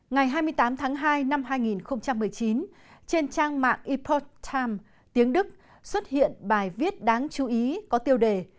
ngày hai mươi tám tháng hai năm hai nghìn một mươi chín trên trang mạng epoch times tiếng đức xuất hiện bài viết đáng chú ý có tiêu đề